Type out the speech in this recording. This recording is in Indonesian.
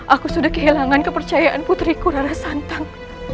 aku sudah kehilangan kepercayaan putriku rara santang